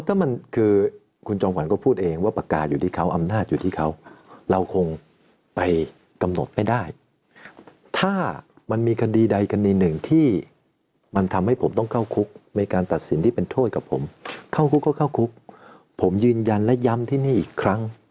อ๋อถ้ามันคือคุณจองหวันก็พูดเองว่าประกาศอยู่ที่เขาอำนาจอยู่ที่เขา